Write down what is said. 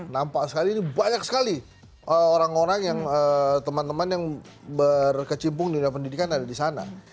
nampak sekali ini banyak sekali orang orang yang teman teman yang berkecimpung di dunia pendidikan ada di sana